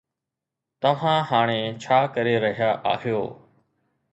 توهان هاڻي ڇا ڪري رهيا آهيو؟